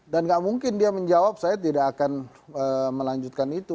dan tidak mungkin dia menjawab saya tidak akan melanjutkan itu